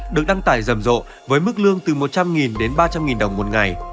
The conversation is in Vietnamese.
được đăng tải rầm rộ với mức lương từ một trăm linh đến ba trăm linh đồng một ngày